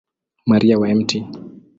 Maria wa Mt.